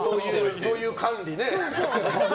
そういう管理ね。